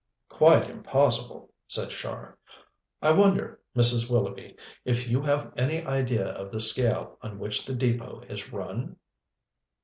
"Quite impossible," said Char. "I wonder, Mrs. Willoughby, if you have any idea of the scale on which this Depôt is run?"